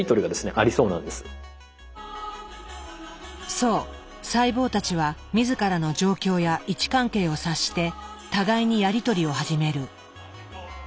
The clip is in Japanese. そう細胞たちは自らの状況や位置関係を察して互いにやり取りを始める。